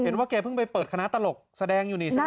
ว่าแกเพิ่งไปเปิดคณะตลกแสดงอยู่นี่ใช่ไหม